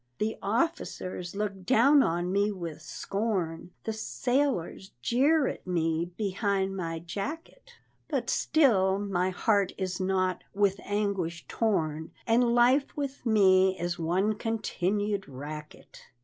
The officers look down on me with scorn, The sailors jeer at me behind my jacket, But still my heart is not "with anguish torn," And life with me is one continued racket.